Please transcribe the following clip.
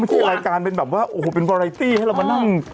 ไม่เชื่อรายการเป็นวาร์ไอตี้ให้เรามานั่ง